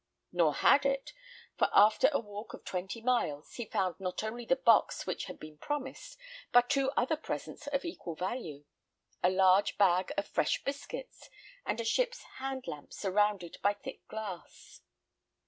Nor had it; for after a walk of twenty miles, he found not only the box which had been promised, but two other presents of equal value a large bag of fresh biscuits, and a ship's hand lamp surrounded by thick glass.